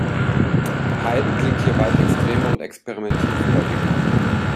Haydn klingt hier weit extremer und experimentierfreudiger.